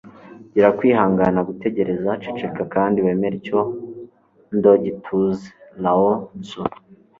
gira kwihangana gutegereza! ceceka kandi wemere icyondo gituze. - lao tzu